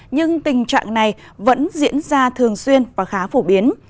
nhưng tình trạng này vẫn diễn ra thường xuyên và khá phổ biến